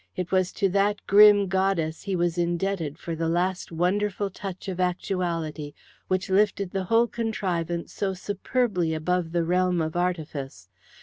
It was to that grim goddess he was indebted for the last wonderful touch of actuality which lifted the whole contrivance so superbly above the realm of artifice.